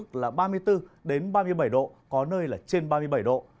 có nơi xảy ra nắng nóng gây gắt đến ba mươi bảy độ có nơi là trên ba mươi bảy độ